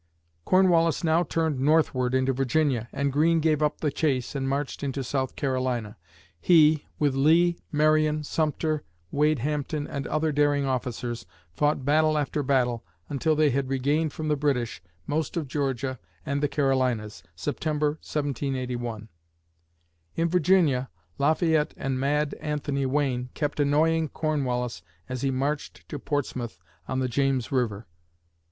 Cornwallis now turned northward into Virginia and Greene gave up the chase and marched into South Carolina. He, with Lee, Marion, Sumter, Wade Hampton and other daring officers, fought battle after battle until they had regained from the British most of Georgia and the Carolinas (September, 1781). In Virginia, Lafayette and "Mad Anthony" Wayne kept annoying Cornwallis as he marched to Portsmouth on the James River.